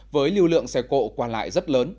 với lưu lượng xe cộ qua lại rất lớn